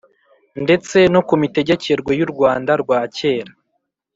ndetse no kumitegekerwe y'urwanda rwakera